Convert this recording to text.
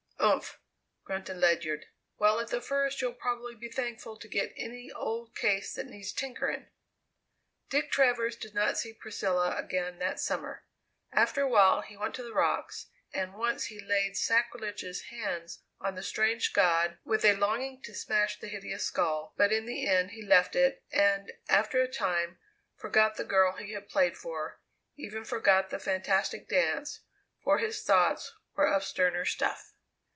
"Umph," grunted Ledyard. "Well, at the first you'll probably be thankful to get any old case that needs tinkering." Dick Travers did not see Priscilla again that summer. After a while he went to the rocks, and once he laid sacrilegious hands on the strange god with a longing to smash the hideous skull, but in the end he left it and, after a time, forgot the girl he had played for, even forgot the fantastic dance, for his thoughts were of sterner stuff.